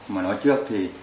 mà nói trước thì